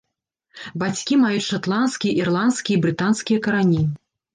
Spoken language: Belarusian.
Бацькі маюць шатландскія, ірландскія і брытанскія карані.